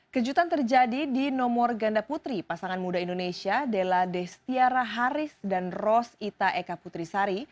kejutan terjadi di nomor ganda putri pasangan muda indonesia della destiara haris dan ros ita eka putrisari